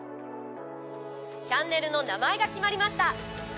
チャンネルの名前が決まりました。